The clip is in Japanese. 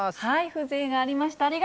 風情がありました。